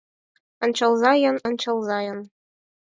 Ончалза-ян, ончалза-ян -